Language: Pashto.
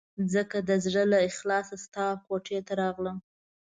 ځکه د زړه له اخلاصه ستا کوټې ته راغلم.